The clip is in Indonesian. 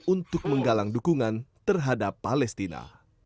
untuk menggalang dukungan terhadap palestina